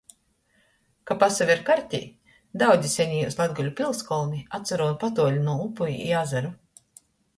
Ka pasaver kartē, daudzi senejūs latgaļu piļskolni atsarūn patuoli nu upu i azaru.